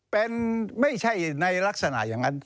เป็นไม่ใช่ในลักษณะอย่างนั้น